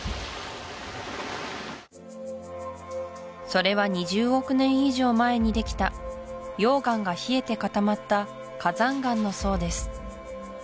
それは２０億年以上前にできた溶岩が冷えて固まった火山岩の層です